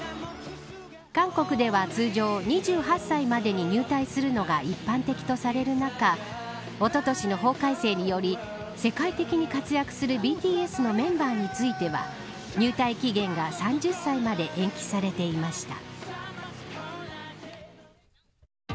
韓国では通常２８歳までに入隊するのが一般的とされる中おととしの法改正により世界的に活躍するＢＴＳのメンバーについては入隊期限が３０歳まで延期されていました。